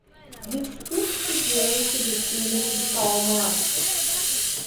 Discurso Diante do Tumulo de Karl Marx